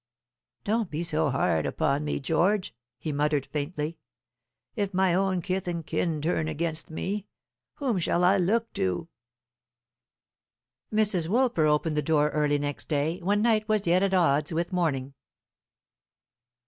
"Don't be so hard upon me, George," he muttered faintly. "If my own kith and kin turn against me, whom shall I look to?" Mrs. Woolper opened the door early next day, when night was yet at odds with morning.